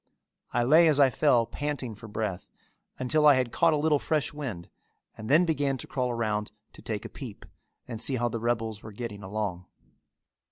I lay as I fell, panting for breath, until I had caught a little fresh wind and then began to crawl around to take a peep and see how the rebels were getting along.